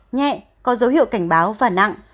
một nhẹ có dấu hiệu cảnh báo và nặng